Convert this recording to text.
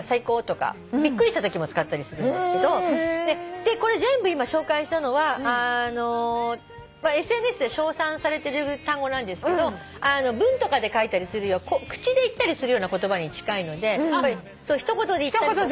でこれ全部今紹介したのはＳＮＳで称賛されてる単語なんですけど文とかで書いたりするよりは口で言ったりするような言葉に近いので一言で言ったりとか。